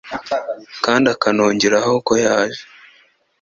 kandi akanongeraho ko yaje